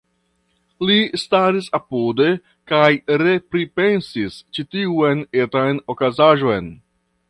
Li staris apude, kaj repripensis ĉi tiun etan okazaĵon.